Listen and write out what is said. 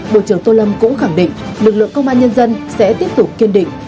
bộ trưởng tô lâm cũng khẳng định lực lượng công an nhân dân sẽ tiếp tục kiên định